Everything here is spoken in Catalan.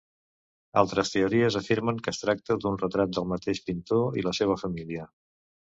Altres teories afirmen que es tracta d'un retrat del mateix pintor i la seva família.